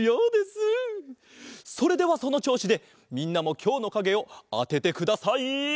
それではそのちょうしでみんなもきょうのかげをあててください。